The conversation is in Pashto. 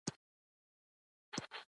دوی د بریکس ډلې غړي دي.